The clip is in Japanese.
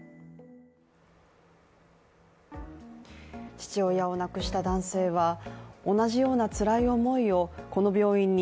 父親を亡くした男性は同じようなつらい思いを、この病院に